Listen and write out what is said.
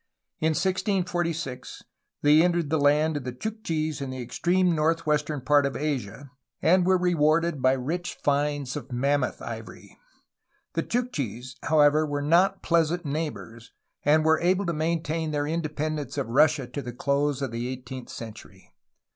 In 1646 they entered the land of the Chukchis in the extreme northeastern part of Asia, and were rewarded by rich 258 A HISTORY OF CALIFORNIA finds of mammoth ivory. The Chukchis, however, were not pleasant neighbors, and were able to maintain their inde pendence of Russia to the close of the eighteenth century.